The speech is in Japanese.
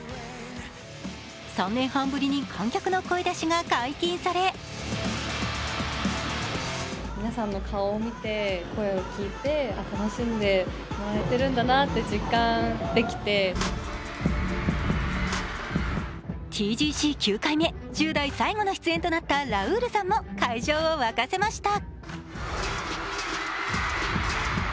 ３年半ぶりに観客の声出しが解禁されＴＧＣ、９回目、１０代最後の出演となったラウールさんも会場を沸かせました。